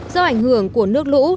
do ảnh hưởng của nước lũ